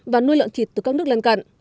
và nuôi lợn thịt từ các nước lân cận